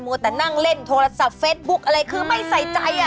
แต่นั่งเล่นโทรศัพท์เฟสบุ๊คอะไรคือไม่ใส่ใจ